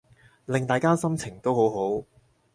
令大家心情都好好